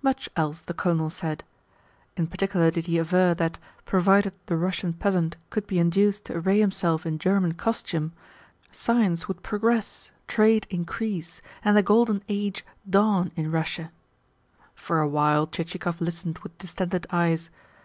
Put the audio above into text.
Much else the Colonel said. In particular did he aver that, provided the Russian peasant could be induced to array himself in German costume, science would progress, trade increase, and the Golden Age dawn in Russia. For a while Chichikov listened with distended eyes.